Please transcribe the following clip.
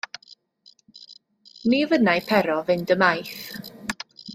Ni fynnai Pero fynd ymaith.